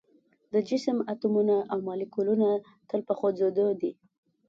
د جسم اتومونه او مالیکولونه تل په خوځیدو دي.